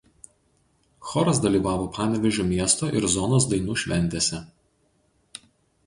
Choras dalyvavo Panevėžio miesto ir zonos dainų šventėse.